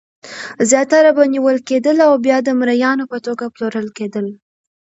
زیاتره به نیول کېدل او بیا د مریانو په توګه پلورل کېدل.